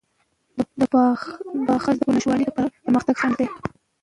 د پاخه زده کړو نشتوالی د پرمختګ خنډ دی.